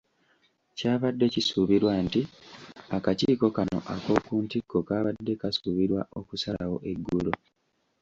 Kyabadde kisuubirwa nti akakiiko kano ak’oku ntikko kaabadde kasuubirwa okusalawo eggulo.